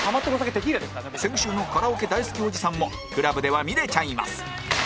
先週のカラオケ大好きおじさんも ＣＬＵＢ では見れちゃいます